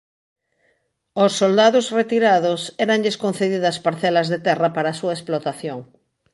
Aos soldados retirados éranlles concedidas parcelas de terra para a súa explotación.